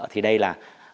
thì đây là